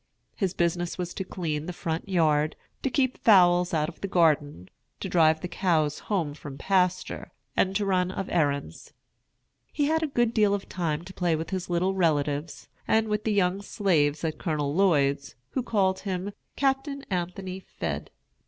His business was to clean the front yard, to keep fowls out of the garden, to drive the cows home from pasture, and to run of errands. He had a good deal of time to play with his little relatives, and with the young slaves at Colonel Lloyd's, who called him "Captain Anthony Fed."